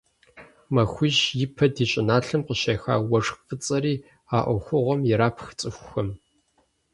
Махуищ ипэ ди щӀыналъэм къыщеха уэшх фӀыцӀэри а Ӏуэхугъуэм ирапх цӀыхухэм.